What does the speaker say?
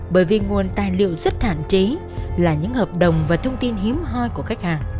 bởi vì nguồn tài liệu rất hạn chế là những hợp đồng và thông tin hiếm hoi của khách hàng